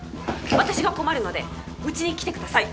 私が困るのでうちに来てください